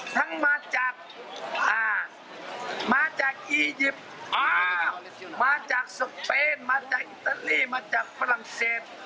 ทั้งมาจากมาจากอียิปต์มาจากสเปนมาจากอิตาลีมาจากฝรั่งเศส